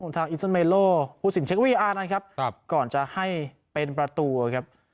ทางอิสเมโลครับก่อนจะให้เป็นประตูนะครับ